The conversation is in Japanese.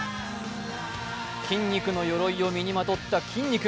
筋肉のよろいを身にまとったきんに君。